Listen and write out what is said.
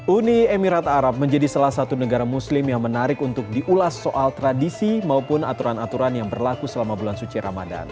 uni emirat arab menjadi salah satu negara muslim yang menarik untuk diulas soal tradisi maupun aturan aturan yang berlaku selama bulan suci ramadan